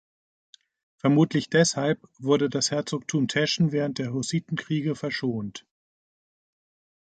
Vermutlich deshalb wurde das Herzogtum Teschen während der Hussitenkriege verschont.